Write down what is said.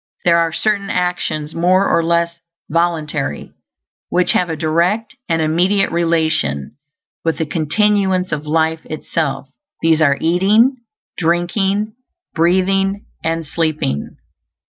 There are certain actions, more or less voluntary, which have a direct and immediate relation with the continuance of life itself; these are eating, drinking, breathing, and sleeping.